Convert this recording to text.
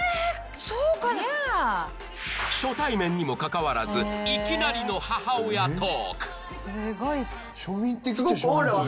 そうかな初対面にもかかわらずいきなりの母親トーク